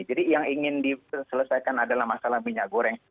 jadi yang ingin diselesaikan adalah masalah minyak goreng